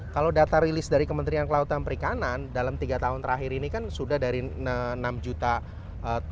kalau data rilis dari kementerian kelautan perikanan dalam tiga tahun terakhir ini kan sudah dari enam juta ton